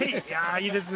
いいですね